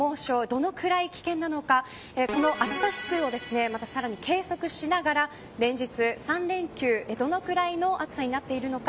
どのぐらい危険なのかこの暑さ指数をまた、さらに計測しながら連日、３連休どのくらいの暑さになっているのか。